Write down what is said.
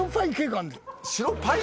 白パイ？